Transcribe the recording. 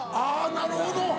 なるほど。